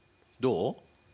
どう？